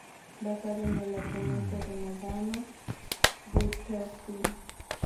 Basado en el argumento de "Madama Butterfly".